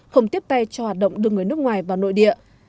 không tiếp tay cho hoạt động đưa người nước ngoài vào nội địa